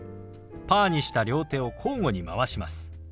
パーにした両手を交互に回します。